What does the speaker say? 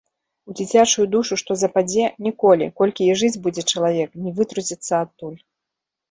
У дзіцячую душу што западзе, ніколі, колькі і жыць будзе чалавек, не вытруціцца адтуль.